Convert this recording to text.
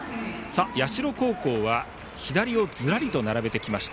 社高校は左をずらりと並べてきました。